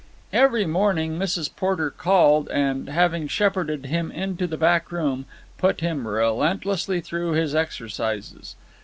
Every morning Mrs. Porter called and, having shepherded him into the back room, put him relentlessly through his exercises.